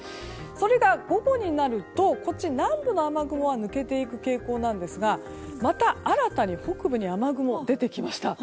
それが午後になると南部の雨雲は抜けていく傾向ですがまた新たに北部に雨雲が出てきました。